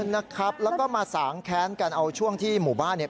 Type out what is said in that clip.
นะครับแล้วก็มาสางแค้นกันเอาช่วงที่หมู่บ้านเนี่ย